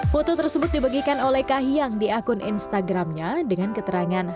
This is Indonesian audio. foto tersebut dibagikan oleh kahiyang di akun instagramnya dengan keterangan